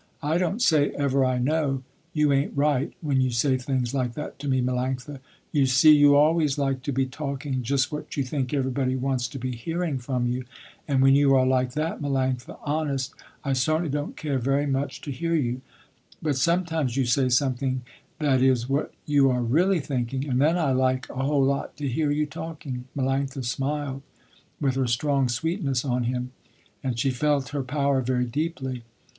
"I don't say ever I know, you ain't right, when you say things like that to me, Melanctha. You see you always like to be talking just what you think everybody wants to be hearing from you, and when you are like that, Melanctha, honest, I certainly don't care very much to hear you, but sometimes you say something that is what you are really thinking, and then I like a whole lot to hear you talking." Melanctha smiled, with her strong sweetness, on him, and she felt her power very deeply.